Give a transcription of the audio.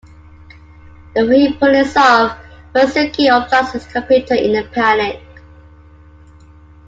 Before he pulls it off, Ryosuke unplugs his computer in a panic.